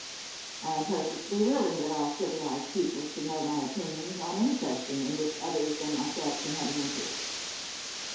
I am perfectly willing that all civilized people should know my opinions on any question in which others than myself can have any interest.